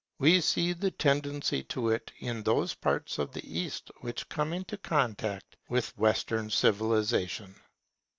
We see the tendency to it in those parts of the East which come into contact with Western civilization.